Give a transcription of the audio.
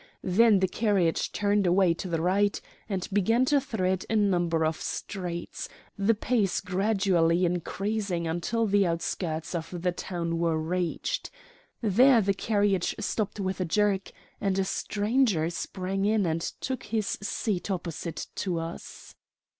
Then the carriage turned away to the right, and began to thread a number of streets, the pace gradually increasing until the outskirts of the town were reached. There the carriage stopped with a jerk, and a stranger sprang in and took his seat opposite to us.